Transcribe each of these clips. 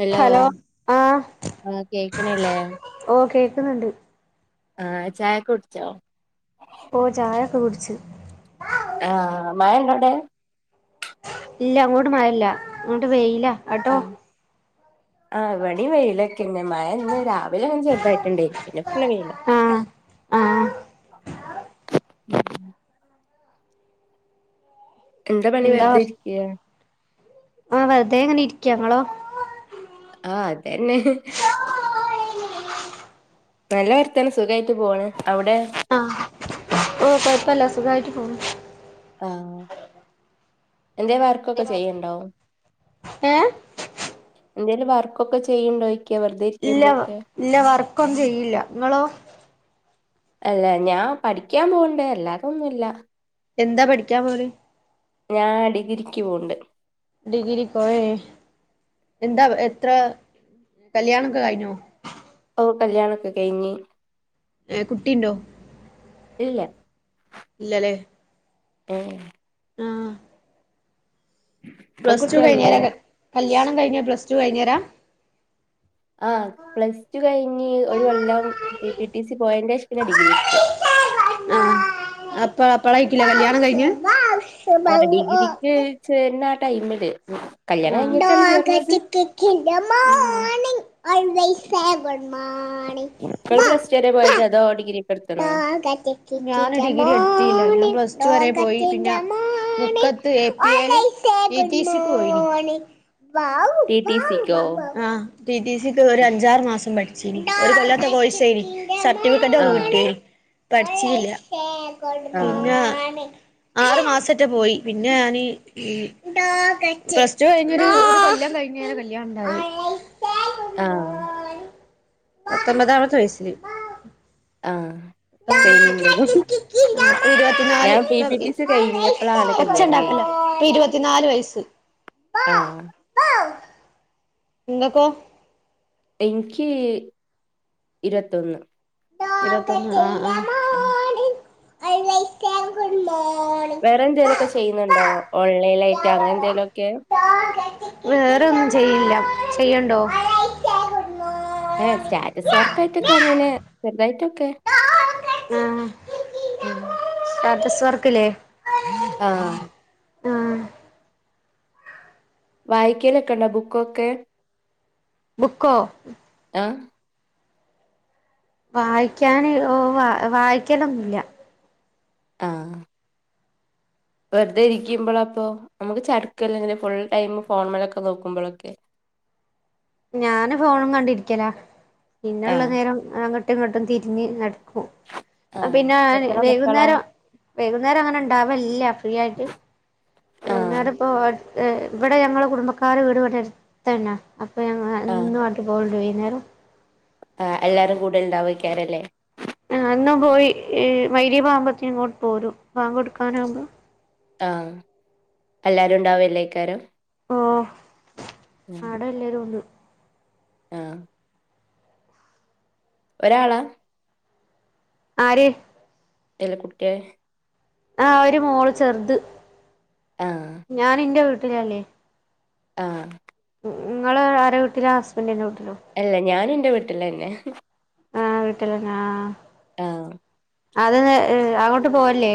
Hello ആഹ് ആഹ് കേക്കണില്ലേ ഓ കേക്കുന്നുണ്ട് ആ ചായക്കെ കുടിച്ചോ ഓ ചായക്കെ കുടിച്ചു ആഹ മഴണ്ടോടെവിടെ ഇല്ല അങ്ങോട്ട് മഴല്ല ഇങ്ങോട്ട് വെയില്ല ആഹ ആ ഇബാടിം വെയിലൊക്കെന്നെ മഴ ഇന്ന് രാവിലെ ഇങ്ങനെ ചെറുതായിട്ടുണ്ടായി പിന്നെ ഫുൾ വെയില ആഹ് ആഹ് എന്താ പണി വെറുതെ ഇരിക്കെ ആഹ വെറുതെ ഇങ്ങനെ ഇരിക്ക ങ്ങളോ ആഹ അതന്നെ നല്ല വർത്തനം സുഖയിട്ട് പോണ് അവിടെ ആഹ് ഓഹ് കൊഴപ്പല്ല സുഖമായിട്ട് പോണ് ആഹ് എന്തെ വർക്കൊക്കെ ചെയ്ണ്ടോ ഏഹ് എന്തേലും വർക്കൊക്കെ ചെയ്ണ്ടോ ചോയ്ക്ക വെർ ഇല്ല ഇല്ല വർക്കൊന്നും ചെയ്യില്ല നിങ്ങളോ എല്ലാ ഞാ പഠിക്കാൻ പോണ്ട് അല്ലാതെ ഒന്നുല്ല എന്താ പഠിക്കാൻ പോല് ഞാൻ ഡിഗ്രക്ക് പോണ്ട് ഡിഗ്രികോ ഹെ എന്താ എത്ര കല്യാണം ഒക്കെ കഴിഞ്ഞോ ഓ കല്യാണ ഒക്കെ കഴിഞ്ഞ് ഏഹ് കുട്ടിയിണ്ടോ ഇല്ല ഇല്ലല്ലേ ഏഹെ ആഹ് ഇങ്ങക്ക് പ്ലസ് ടു കുട്ടികളില്ലേ കഴിഞ്ഞരെ കല്യാണം കഴിഞ്ഞരെ പ്ലസ് ടു കഴിഞ്ഞേര ആഹ് പ്ലസ് ടു കഴിഞ്ഞ് ഒരു കൊല്ലം പി ടി സി പോയന്റെസം പിന്നെ ഡിഗ്രി എടുത്ത് ആഹ് അപ്പഴ അപ്പഴായിക്കില്ലേ കല്യാണം കഴിഞ്ഞേ ആഹ് ഡിഗ്രിക്ക് ചേരണആ ടൈ മ് ല് ആഹാ [unintelligible] വൈ ബൈ സേ ഗുഡ് മോണിംഗ് നിക്കള് പ്ലസ് റ്റു വരെ പോയതാ തോ ഡിഗ്രിക്കെടുത്ത് ഞാന് ഡിഗ്രി എട്ത്തില്ല ഞാൻ പ്ലസ്റ്റു വരെ പോയി പിന്നെ മുക്കത്ത് ഏ പി ഏ ൽ ടി ടി സി ക്ക് പോയിനി വൗ ടി ടി ഭാവ സിക്കോ ബമ്പ ആഹ് ടി ടി സിക്ക് ഒരു അഞ്ചാറ് മാസം പഠിച്ചിന് ഒരു കൊല്ലാത്ത കോയ്സെന്നു സർട്ടിഫിക്കറ്റൊക്കെ കിട്ടി ആഹ് മ് പഠിച്ചില്ല പിന്ന ആഹ് ആറ് മാസറ്റെ പോയി പിന്നെ ഞാന് ഈ പ്ലസ്റ്റു കഴിഞ്ഞരു കൊല്ലം കഴിഞാരെ കല്യാണം ഇണ്ടായി ആഹ് പത്തൊമ്പതാമെത്തെ വയസ്സില് ആഹ് സേമിന്റെതും ഇപ്പ ഇരുപത്തിനാല് ഇപ്പ ഇ കഴിഞ്ഞപ്പളാണ് ഒച്ച കല്യാണം ഇണ്ടാക്കല്ലോ കഴിഞ്ഞെ ഇപ്പ ഇരുപത്തിനാല് വയസ്സ് ആഹ് ങ്ങക്കൊ ഇക്ക് ഇരുപത്തൊന്ന് ഇരതൊന്ന് ആഹ് ആഹ് [unintelligible] [unintelligible] വേറെ എന്തെേലും ആ ഒക്കെ ചെയ്യുന്നുണ്ടോ ഓൺലൈൻ ആയിട്ട് അങ്ങനെ എന്തേലും ഒക്കെ വേറെന്നും ചെയ്യില്ല ചെയ്യണ്ടോ ഏഹ് സ്റ്റാറ്റസ് വർക്ക ആയിട്ടൊക്കെ അങ്ങനെ ചെറുതായിട്ടൊക്കെ ആഹ് ഉം സ്റ്റാറ്റസ് വർക്ക്ല്ലേ ആഹ് വായിക്കലൊക്കെ ണ്ടോ ബുക്കൊക്കെ ബുക്കോ ആഹ് വായിക്കൻ ഓഹ് വ വായിക്കലൊന്നുല്ല ആഹ് വെറ്തെ ഇരിക്ക്മ്പോയോ പ്പൊ നമുക്ക് ചടുക്കല്ലോ ഫുൾ ടൈം ഫോൺ മലൊക്കെ നോക്കുമ്പോഴൊക്കെ ഞാന് ഫോണും കണ്ടിരിക്കലാ പിന്നെള്ള ആഹ് നേരം അങ്ങോട്ടും ഇങ്ങോട്ടും തിരിഞ് നട്ക്കും ആഹ് പിന്നാ എത്ര മക്കളാ വൈകുന്നേരം വൈകുന്നേരം അങ്ങനെ ഇണ്ടാവല്ല ഫ്രീ ആയിട്ട് ആഹ് വൈകുന്നേരം പ്പൊ ഇവിടെ ഞങ്ങളെ കുടുംബക്കാരെ വീട് വടെട്ത്തന്ന അപ്പൊ ഞങ്ങള് ആഹ് പൊകുണ്ടോ വെയ്ന്നാരം ആഹ് എല്ലാരും കൂടല് ണ്ടാവയ്രിക്കരല്ലെ ആഹ് ന്നും പോയി മയിരിബാവുമ്പത്തിന് ഇങ്ങോട്ട് പോരും ബാങ്ക് കൊടുക്കാനാവുമ്പ ആഹ് എല്ലാരും ഉണ്ടാവല്ലെക്കാരം ഓഹ് ആട എല്ലരും ഉണ്ട് ആഹ് ഒരാളാ ആര് എല്ല കുട്ടിയെ ആഹ് ഒരു മോൾ ചെറുത് ആഹ് ഞാന് ഇന്റെ വീട്ടിലല്ലേ ആഹ് ഇങ്ങൾ ആരാ വീട്ടിലാ ഹസ്ബൻഡിന്ൻ്റെ വീട്ടിലോ എല്ല ഞാന് ഇന്റെ വീട്ടിലന്നെ ആഹ് വീട്ടില്ലന്നെ ആഹ് ആഹ് അതെന്തെ അങ്ങോട്ട് പോവല്ല്ലേ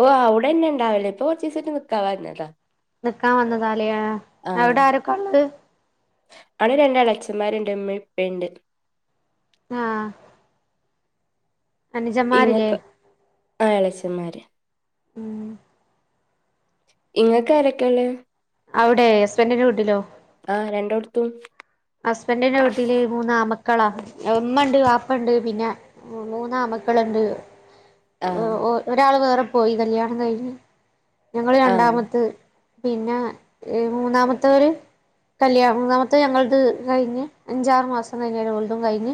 ഓഹ് അവിടെന്നെ ഇണ്ടാവല് ഇപ്പൊ കൊറച്ചിസായിട്ട് നിക്കാൻ വന്നത നിക്കാൻ വന്നതാലെയ ആഹ് അവടെ രണ്ട് എളച്ചൻന്മാര്ണ്ട് ഇമ്മീ ഇപ്പീ ഇണ്ട് ആഹ് അനുജന്മാരില്ലേ ഇങ്ങക്കോ ആഹ് എളച്ചന്മാര് ഉം ഇങ്ങക്ക് ആരൊക്കെയ്ള്ളേ അവിടെ ഹസ്ബന്റിന്റെ വീട്ടിലോ ആഹ് രണ്ടോട്ത്തും ഹസ്ബൻഡിന്റെ വീട്ടില് മൂന്നാമക്കളാ ഉമ്മ ഉണ്ട് വാപ്പണ്ട് പിന്നെ മൂന്നാമക്കള്ണ്ട് ആ ഒരാൾ വേറെ പോയി കല്യാണം കഴിഞ്ഞ് ഞങ്ങള് ആ രണ്ടാമത്ത് പിന്നെ മൂന്നാമത്തെര് കല്യാ മൂന്നാമത്തെ ഞങ്ങൾ - ഞങ്ങൾത് കഴിഞ്ഞ് അഞ്ചാറ് മാസം കഴിഞാരെ ഓലതും കഴിഞ്ഞ്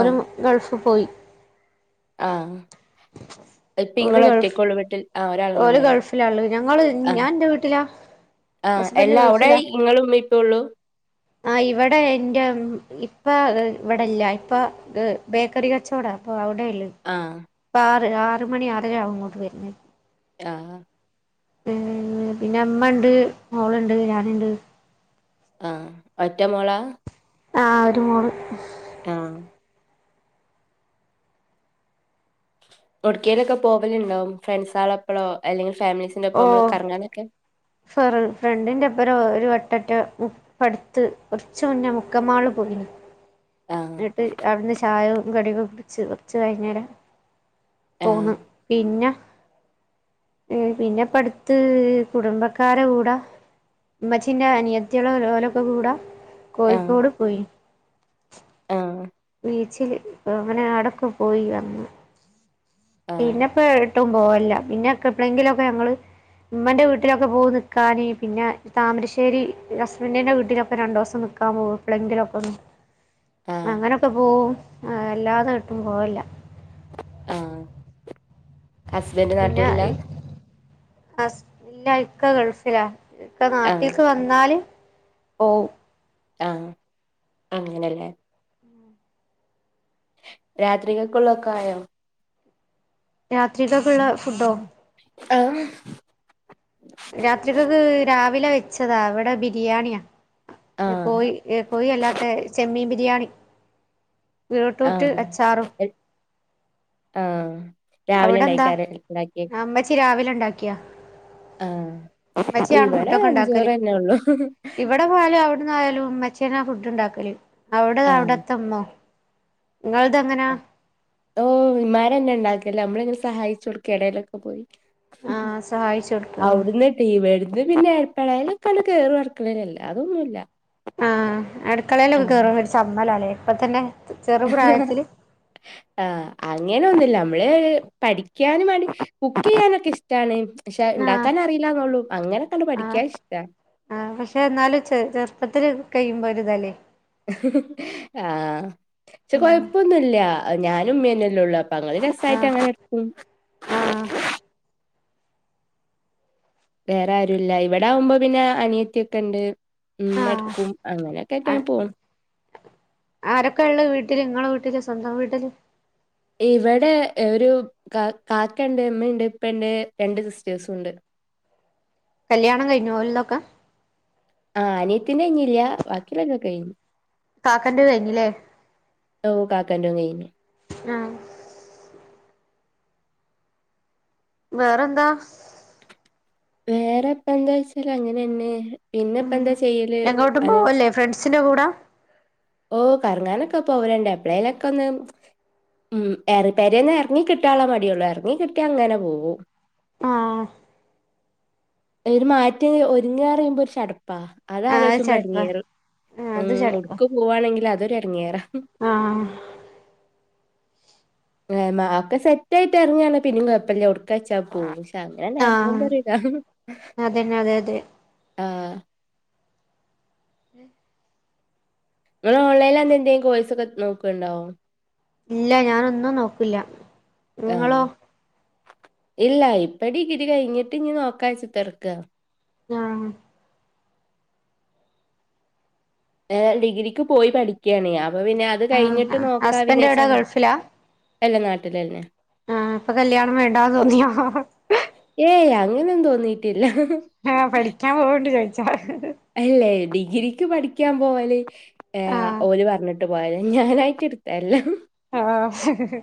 ആ ഗൾഫ് പോയി ആഹ് ഇപ്പൊ ഇങ്ങൾ ഓല് ഗൾഫ് ഒറ്റക്ക് ഒളു വീടിൽ ആഹ് ഓല് ഒരാളണ്ടല്ലേ ഗൾഫിലാള്ളത് ഞങ്ങള് ആഹ് ഞാൻ എന്റെ വീട്ടിലാ ആഹ് ഹസ്ബൻഡ് എല്ലാ അവ്ടെ ഗൾഫിലാ ഇങ്ങളും ഇമ്മി ഇപ്പി ഉള്ളൂ ആ ഇവിട എൻറെ ഇപ്പ ഇവിടില്ല ഇപ്പ ബേക്കറി കച്ചവടാ അപ്പൊ അവിടെഅല്ലെ ആഹാ ഇപ്പ ആറ് ആറ് മണി ആറര ആവും ഇങ്ങോട്ട് വര്ന്നെ ആഹാ മ്മ്മ് പിന്നെ അമ്മ ഇണ്ട് മോള്ണ്ട് ഞാന്ണ്ട് ആ ഒറ്റമോളാ ആ ഒരു മോള് ആഹാ ഒടക്കെലൊക്കെ പോവലുണ്ടോ ഫ്രണ്ട്സാളപ്പഴോ അല്ലെങ്കിൽ ഫാമിലീസിന്റെ ഒപ്പം നമ്മള് കറങ്ങാനൊക്കെ ഫറ് ഫ്രണ്ടിന്റെ അപ്പരം ഒരു വട്ടറ്റ ഇപ്പ അടുത്ത് കുറച്ച് മുന്നെ മുക്കമാള് പോയിന് ആ എന്നിട്ട് അവട്ന്ന് ചായയും കടിയൊക്കെ കുടിച്ച് കുടിച്ച് കഴിഞ്ഞേരം ആ പോന്ന് പിന്ന ഉം പിന്ന ഇപ്പ അടുത്ത് കുടുംബക്കാര കൂടാ ഉമ്മച്ചിന്റെ അനിയത്തിയള് ലോലൊക്കെ കൂടാ ആ കോഴിക്കോട് പോയി ആ ബീച്ചില് അങ്ങനെ ആടക്കെ പോയി വന്ന് ആ പിന്നെപ്പ ഇട്ടും പോവല്ല പിന്നെ ഒക്കെ എപ്പളെങ്കിലും ഒക്കെ ഞങ്ങള് ഉമ്മന്റെ വീട്ടിലൊക്കെ പോയി നിക്കാന് പിന്നെ താമരശ്ശേരി ഹസ്ബൻന്റിന്റെ വീട്ടിലൊക്കെ രണ്ട് ദിവസം നിക്കും. ആ പോവും എപ്പളെങ്കിലും ഒക്കെ ഒന്ന് [inaudible] അങ്ങനൊക്കെ പോവും അല്ലാതെ ഒരിടത്തും പോവില്ല. ആഹ് ഹസ്ബന്റ് പിന്നെ നാട്ടിലില്ല ഹസ് ഇല്ല ഇക്ക ഗൾഫിലാ ഇക്ക ആ നാട്ടില്ക്ക് വന്നാല് പോവും ആഹ് അങ്ങനല്ലേ ഉം രാത്രികൾക്കുള്ളൊക്കെ ആയോ രാത്രിലേക്കുള്ള ഫുഡോ ആഹാ രാത്രികക്ക് രാവിലെ വെച്ചതാ ഇവിടെ ബിരിയാണിയാ ആ കോഴി ഏഹ് കോഴി അല്ലാത്ത ചെമ്മീൻ ബിരിയാണി ബീട്രൂട്ട് ആഹ് അച്ചാറും ആഹ് രാവിലെ അവിടെ എന്താ ഇണ്ടാക്കിയ ആരാ ഇണ്ടാക്കിയെ അമ്മച്ചി രാവിലെ ഇണ്ടാക്കിയാ ആഹ് ഉമ്മച്ചിയാണ് ഫുഡ് ഇവിടെ ഒക്കെ ഉണ്ടാക്കല് അഞ്ചോറന്നെ ഒള്ളു ഇവിടെ പോയാലും അവിടന്നയാലും ഉമ്മച്ചിയനേ ഫുഡ് ഇണ്ടാക്കല് അവിട ആഹ് അവിടെത്തമ്മോ നിങ്ങളതെങ്ങനെ ഓ ഇമ്മാരന്നെ ഇണ്ടാക്കല് നമ്മള് ഇങ്ങനെ സഹായിച്ചു കൊടുക്കു ഇടയിലൊക്കെ പോയിട്ട് മ്മ്ഹ് ആഹ് സഹായിച്ചു കൊടുക്കോ അവിട്ന്ന് ഇവിട്ന്ന് പിന്നെ എപ്പഴായാലും ഒക്കെ കേറും അടുക്കളയിൽ അല്ലാതൊന്നുല്ല ആഹ് അടുക്കളല് ആഹ് കേറുമ്പോ ഒരു ചമ്മലല്ലേ ഇപ്പൊ തന്നെ ചെറു ഹ്ഹാ പ്രായത്തില് ആഹ് അങ്ങനെന്നുല്ല നമ്മള് പഠിക്കാനും മടി കുക്ക് ചെയ്യാനൊക്കെ ഇഷ്ട്ടവാ ഇഷ്ടാണ് പക്ഷെ ആഹ് ഇണ്ടാക്കാന് അറിയില്ലന്നള്ളു അങ്ങനെ പഠിക്കാൻ ഇഷ്ട്ടാ ആ പക്ഷെ എന്നാലും ചെറു ചെറുപ്പത്തില് കഴിയുമ്പോഒരു ഇതല്ലേ ഹിഹി ആഹാ ചെ ഉം കൊഴപ്പൊന്നുല്ല ഞാന് ഉമ്മേന്നെയല്ലേ ഉള്ളൂ അപ്പൊ അങ്ങനെ രസായിട്ട് ആഹ് അങ്ങനെ എടുക്കും ആഹ് വേറെ ആരും ഇല്ല ഇവിടെ ആവുമ്പോ പിന്നെ അനിയത്തി ഒക്കെ ഇണ്ട് ഇമ്മ ആഹ് എടുക്കും അങ്ങനെയൊക്കെയായിട്ടാ പോന്ന് ആരൊക്കെ ഇള്ള വീട്ടില് നിങ്ങളെ വീട്ടില് സ്വന്തം വീട്ടില് ഇവിടെ ഒരു കാ കാക്ക ഇണ്ട് ഇമ്മണ്ട് ഇപ്പന്റെ രണ്ട് സിസ്റ്റേഴ്സു ഇണ്ട് കല്യാണം കഴിഞ്ഞോ ഓൾലൊക്കെ ആഹ് അനിയത്തിന്റെ കഴിഞ്ഞില്ല ബാക്കിലൊക്കെ കഴിഞ്ഞ് കാക്കന്റെ കഴിഞ്ഞ്ല്ലേ ഓഹ് കാക്കന്റെം കഴിഞ്ഞ് ആഹ് വേറെന്താ വേറെപ്പ എന്താ വെച്ചാല് അങ്ങനെന്നെ പിന്നെപ്പ എന്താ ചെയ്യല് അത് സ്ന്റെ കൂടാ ഓഹ് കർങ്ങാനൊക്കെ പോവല്ണ്ട് എപ്പ്ളേലൊക്കെ ഒന്ന് ഉം ഏറ് പെര്യയ്ന്ന് എർങ്ങി കിട്ടാള്ള മടിയൊള്ളൂ എർങ്ങി കിട്ടിയാ അങ്ങനെ പോവൂ ആഹ് ഒര് മാറ്റ് ഒര്ങ്ങാറിമ്പോ ഒരു ചട്പ്പാ ആഹ് അതാലോയ്ച്ചുബ്ളാ ചടുപ്പ എട്ങ്ങേറ് ആഹ് ഉം അത് ചടുപ്പ ഒട്ക്ക് പോവാണെങ്കിലും അതൊരെട്ങ്ങേറാ ആഹ് ങ്ങനെ അഒക്കെ സെറ്റായിട്ട് എറ്ങ്ങാണെ പിന്നിം കൊഴ്പ്പല്ല ഒട്ക്കാച്ചാ പോകും അങ്ങനെൺ ആഹ് എറ്ങ്ങുമ്പൊര് ഇതാണ് അതന്നെ അതെ അതെ ആഹ് ഹ് ങ്ങള് ഓൺലൈനിൽ എന്തെ എന്തെം കോഴ്സൊക്കെ നോക്ക്ണ്ടോ ഇല്ല ഞാനൊന്നും നോക്ക്ല്ല ആഹ് ഇല്ല ഇപ്പ ടിഗ്രി കഴിഞ്ഞിട്ട് ഇഞ് നോക്കാച്ച് ഇത്തർക്കാ ആഹ് ഏഹ് ഡിഗ്രിക്ക് പോയി പഠിക്കാണ് അപ്പൊ പിന്നെ അത് ആഹ് കഴിഞ്ഞിട്ട് നോക്കാ ഹസ്ബൻഡ് എവിടാ വിചാരിച്ചാണ് ഗൾഫിലാ അല്ല നാട്ടിലന്നെ ആഹ് ഇപ്പ കല്യാണം വേണ്ടാന്ന് തോന്നിയോ ഏയ് അങ്ങനെന്നും തോന്നീട്ടില്ല ആഹ് പഠിക്കാൻ പോവ്ണ്ട് ചോയ്ച്ചാ അല്ലേ ഡിഗ്രിക്ക് പഠിക്കാൻ പോവല് ഏഹ് ആഹ് ഓല് പറഞ്ഞ് ട്ട് പോയതാ ഞാനായിട്ട് ഇട്ത്തല്ലാ ആഹ്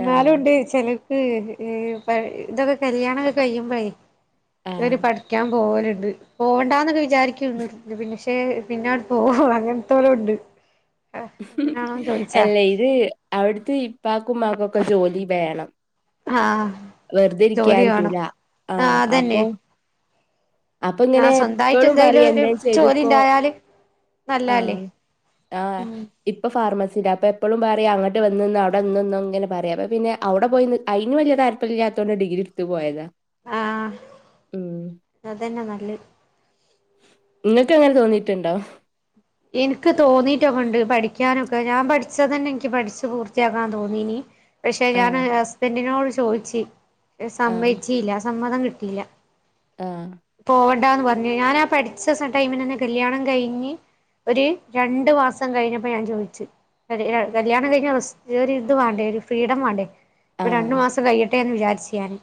ന്നാലും ആഹ് ണ്ട് ചെലര് പ് ഹ് പ് ഇതൊക്കെ കല്യാണക്കെ കഴിയുമ്പഴേ ഒര് ആഹ് പഠിക്കാൻ പോവല്ണ്ട് പോവണ്ടാന്നാെക്ക വിച് ചാരിക്കും പിന്നക്ഷെ പിന്നെങ്ങട് പോ അങ്ങൻത്താേലുംണ്ട് അല്ലെയ് ഇത് അവിട്ത്തെ ഇപ്പാക്കുംമ്മാക്കാെക്കെ ജോലി വേണം ആഹ് വെറുതെ ജോലി ഇരിക്കാൻ വാണം പറ്റൂല ആഹ് അതന്നെ അപ്പ ഇങ്ങനെ ആഹ് സ്വന്തായിട്ട് എപ്പളും പറിം എന്തെലും ഒരു എന്തേം ജോലി ചെയ്ത്ക്കോ ഉണ്ടായാല് നല്ലതല്ലേ ആഹ് ആഹ് ഇപ്പ ഫാർമസിലാ അപ്പ എപ്പളും പറിം അവടെ വന്ന്ന്നോ അവ്ടെന്ന്ന്നോ ങ്ങനെ പറയാ അപ്പ പിന്നെ അവ്ടെ പോയി നി അയ്ന് വല്ല്യ കാര്യ ര്യന്നുല്ലാത്തോണ്ട് ഡിഗ്രി ഇട്ത്ത് പോയതാ ആഹ് ഉം അതന്നെ നല്ലഹ് ഇങ്ങക്ക് അങ്ങനെ തോന്നീട്ട്ണ്ടോ ഇൻക്ക് തോന്നീട്ടൊക്കെ ണ്ട് പഠിക്കാനൊക്കെ ഞാൻ പഠിച്ചതന്നെ ഇൻക്ക് പട്ച്ച് പൂർത്തിയാക്കാൻ തോന്നീനി പക്ഷെ ഞാന് ആഹ് ഹസ്ബന്റിനോട് ചോയ്ച്ച് ആഹ് സമ്മയ്ച്ചീല്ല സമ്മതം കിട്ടിയില്ല ആഹ് പോവണ്ടാന്ന് പറ്ഞ് ഞാനാ പഠ്ച്ച സ ടൈമിലെന്നെ കല്ല്യാണം കഴിഞ്ഞ് ഒര് രണ്ട് മാസം കഴിഞ്ഞപ്പോ ഞാൻ ചോയ്ച്ച് കല്ല്യാണം കല്ല്യാണം കഴിഞ് സ് ഒര് ഇത് വാണ്ടേ ഒര് ഫ്രീഡം വാണ്ടേ പ്പരണ്ട് ആഹ് മാസം കയ്യെട്ട് ട്ടേന്ന് വിചാര്ച്ച് ഞാന്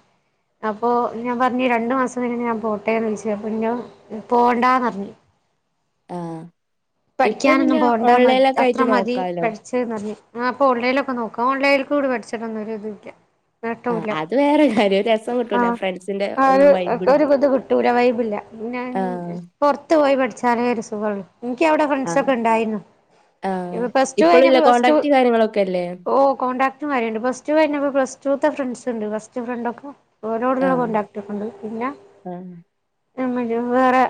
അപ്പോ ഞാൻ പറ്ഞ് രണ്ട് മാസം കയ്ഞയ്ഞാ ഞാൻ പോട്ടേന്ന് ഓയ്ച് അപ്പോ ന്നോ പോണ്ടാന്നർഞ് ആഹ് ഇപ്പ പഠിക്കാനൊന്നും പിന്നെ ഓൺലൈൻലക്കായ്ട്ട് നോക്കാലോ ച്ച്ന്നറ്ഞ് ആഹ് ഇപ്പൊ ഓൺലൈൻലൊക്കെ നോക്കാ ഓൺലൈൽകൂടെ പഠ്ച്ച്ട്ടൊന്നും ഒര് ഇത് ല്ല ആഹ് നേട്ടുല്ല അത് വേറെ കാര്യം ഒരു രസം കിട്ടൂല ആഹ് ഫ്രണ്ട്സിന്റെ ആഹ് ഒന്നും വൈബ് ഒര് ഉണ്ടാവൂല ഒര് ത് കി ട്ടൂല വൈബ് ഇല്ല പിന്നാ പൊറ്ത്ത് പോയി പഠ്ച്ചാലെ ഒര് സുഖാെള്ളൂ ക്ക്യ അവ്ടെ ആഹ് ഫ്രണ്ട്സൊക്കെണ്ടായിന്നു ആഹ്. ഇപ്പ പ്ലസ് ടു ഇപ്പഴുല്ല കഴിഞ്ഞപ്പോ പ്ലസ് ടു കോൺടാക്ട് കാര്യങ്ങളൊക്കെല്ലേ? ഓ കോൺടാക്ട്മാര്ണ്ട് പ്ലസ്ടു കഴിഞ്ഞപ്പോ പ്ലസ്ടൂത്തെ ഫ്രണ്ട്സ് ഇണ്ട് ബസ്റ്റ് ഫ്രണ്ട് ഒക്കെ ഓരോടുള്ള ആഹ് കോണ്ടാക്ട് ഒക്കെണ്ട് പിന്നാ ആഹ് [unintelligible] വേറെ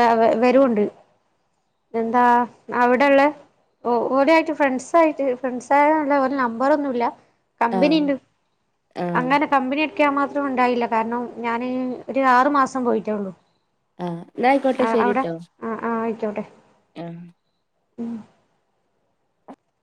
ആഹ് ഇവരുണ്ട് എന്താ അവിടെള്ളെ ഓഹ് ഓലു ആയിറ്റ് ഫ്രണ്ട്സായിറ്റ് ഫ്രണ്ട്സായ ഓലെ നമ്പറൊന്നൂല്ല കമ്പിനി ആഹ് ഇണ്ട് ആഹ് അങ്ങനെ കമ്പനി അടിക്കാൻ മാത്രം ഉണ്ടായില്ല കാരണം ഞാന് ഒര് ആറ് മാസം പോയിറ്റോള്ളൂ ആഹ് ഇന്നായിക്കോട്ടെ ശരിട്ടോ ആഹ് ആഹ് ആയിക്കോട്ടെ ആഹ് ഉം